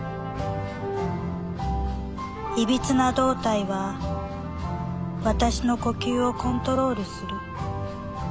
いびつな胴体は私の呼吸をコントロールする。